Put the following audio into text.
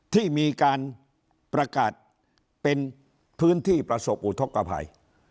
ที่มีการประกาศเป็นพื้นที่ประสบอุทธกภัย